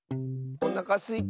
おなかすいた。